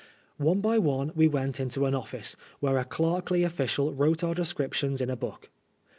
One by one we went into an office, where a clerkly official wrote our descriptions in a book.